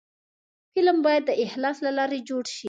فلم باید د اخلاص له لارې جوړ شي